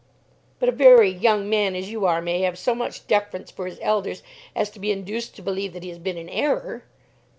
"But a very young man, as you are, may have so much deference for his elders as to be induced to believe that he has been in error."